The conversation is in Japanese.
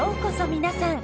皆さん。